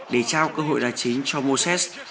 để trao cơ hội đạt chính cho moses